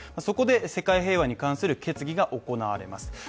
そこで世界平和に関する決議が行われます。